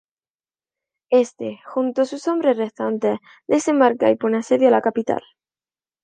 Éste, junto sus hombres restantes, desembarca y pone asedio a la capital.